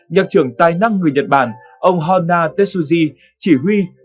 nhạc trưởng tài năng người nhật bản ông hana tetsuji chỉ huy